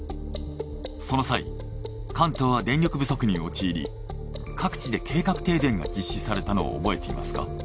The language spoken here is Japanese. その際関東は電力不足に陥り各地で計画停電が実施されたのを覚えていますか？